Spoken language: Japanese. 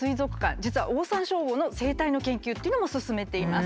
実はオオサンショウウオの生態の研究っていうのも進めています。